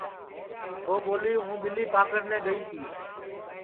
ٻو ٻولی ہوں ٻیلی پاکڑنے گئی تی